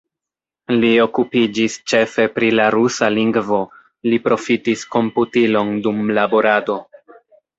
Li okupiĝis ĉefe pri la rusa lingvo, li profitis komputilon dum laborado.